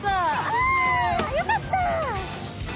あよかった！